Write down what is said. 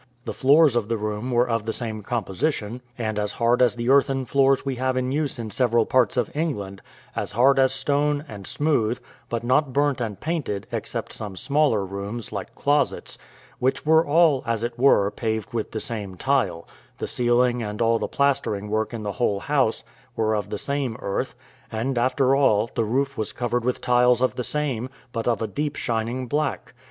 The floors of the rooms were of the same composition, and as hard as the earthen floors we have in use in several parts of England; as hard as stone, and smooth, but not burnt and painted, except some smaller rooms, like closets, which were all, as it were, paved with the same tile; the ceiling and all the plastering work in the whole house were of the same earth; and, after all, the roof was covered with tiles of the same, but of a deep shining black.